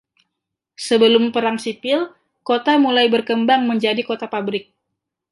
Sebelum Perang Sipil, kota mulai berkembang menjadi kota pabrik.